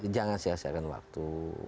jangan sia siakan waktu